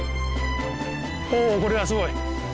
おおこれはすごい。